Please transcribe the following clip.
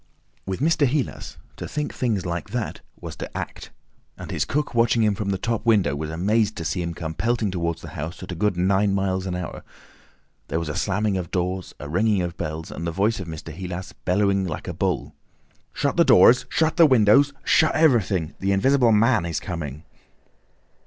With Mr. Heelas to think things like that was to act, and his cook watching him from the top window was amazed to see him come pelting towards the house at a good nine miles an hour. There was a slamming of doors, a ringing of bells, and the voice of Mr. Heelas bellowing like a bull. "Shut the doors, shut the windows, shut everything!—the Invisible Man is coming!"